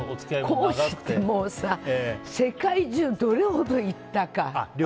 公私って、もうさ世界中、どれほど行ったか。